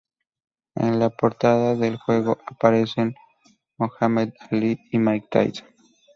En la portada del juego aparecen Muhammad Ali y Mike Tyson.